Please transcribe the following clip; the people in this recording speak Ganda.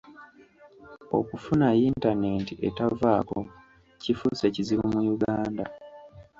Okufuna yintanenti etavaako kifuuse kizibu mu Uganda.